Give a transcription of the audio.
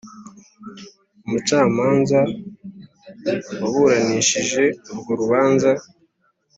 Umucamanza waburanishije urwo rubanza